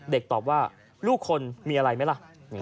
ตอบว่าลูกคนมีอะไรไหมล่ะ